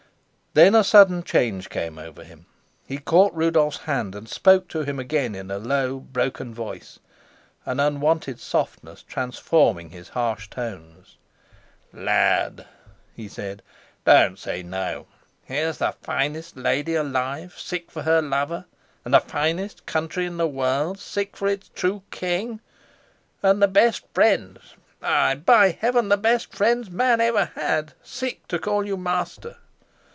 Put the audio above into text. Then a sudden change came over him. He caught Rudolf's hand and spoke to him again in a low, broken voice, an unwonted softness transforming his harsh tones. "Lad," he said, "don't say no. Here's the finest lady alive sick for her lover, and the finest country in the world sick for its true king, and the best friends ay, by Heaven, the best friends man ever had, sick to call you master.